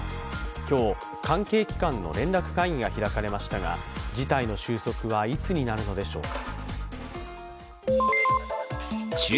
今日、関係機関の連絡会議が開かれましたが、事態の収束はいつになるのでしょうか。